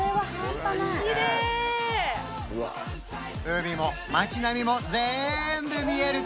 海も街並みも全部見える